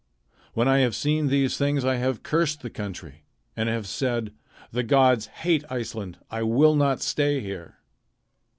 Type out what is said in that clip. When I have seen these things I have cursed the country, and have said: 'The gods hate Iceland. I will not stay here.'